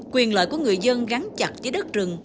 quyền lợi của người dân gắn chặt với đất rừng